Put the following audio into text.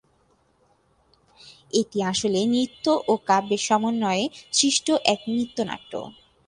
এটি আসলে নৃত্য ও কাব্যের সমন্বয়ে সৃষ্ট এক নৃত্যনাট্য।